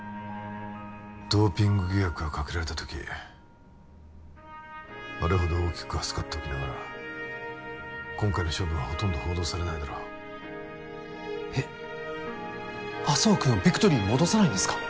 ドーピング疑惑がかけられた時あれほど大きく扱っておきながら今回の処分はほとんど報道されないだろうえっ麻生君をビクトリーに戻さないんですか？